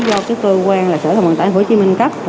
do cơ quan sở hợp vận tải hồ chí minh cấp